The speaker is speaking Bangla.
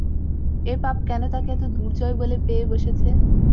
এ পাপ কেন তাকে এত দুর্জয় বলে পেয়ে বসেছে?